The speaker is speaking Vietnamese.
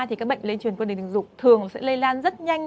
thì các bệnh lây truyền qua nền tình dục thường sẽ lây lan rất nhanh